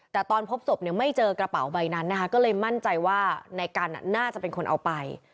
แต่ตอนพบศพเนี่ยไม่เจอกระเป๋าใบนั้นนะคะก็เลยมั่นใจว่าในกันน่าจะเป็นคนเอาไป